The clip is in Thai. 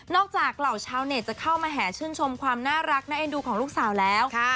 จากเหล่าชาวเน็ตจะเข้ามาแห่ชื่นชมความน่ารักน่าเอ็นดูของลูกสาวแล้ว